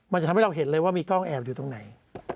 มันจะทำให้เราเห็นเลยว่ามีกล้องแอบอยู่ตรงไหน